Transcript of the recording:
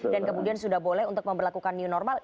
dan kemudian sudah boleh untuk memperlakukan new normal